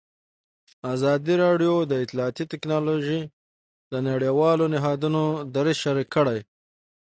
ازادي راډیو د اطلاعاتی تکنالوژي د نړیوالو نهادونو دریځ شریک کړی.